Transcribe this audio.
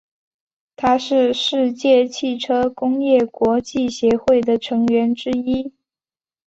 它是世界汽车工业国际协会的成员之一。